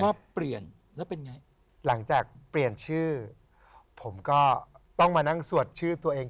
ที่ผมไม่รู้หรอกเขาคำนวณยังไง